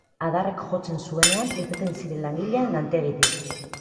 Adarrak jotzen zuenean irteten ziren langileak lantegitik.